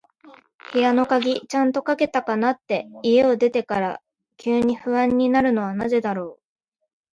部屋の鍵、ちゃんとかけたかなって、家を出てから急に不安になるのはなぜだろう。